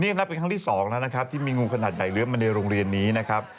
นี่นับเป็นครั้งที่สองแล้วนะครับที่มีงูขนาดใหญ่เลื้อยมาในโรงเรียนนี้นะครับ